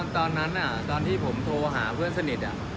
ตอนนั้นตอนที่ผมโทรหาเพื่อนสนิท